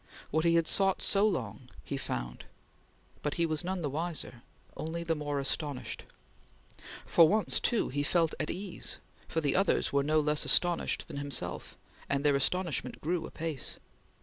What he had sought so long, he found; but he was none the wiser; only the more astonished. For once, too, he felt at ease, for the others were no less astonished than himself, and their astonishment grew apace.